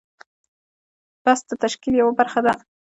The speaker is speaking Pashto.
بست د تشکیل یوه برخه ده.